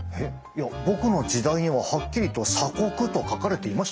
いや僕の時代にははっきりと「鎖国」と書かれていましたよ！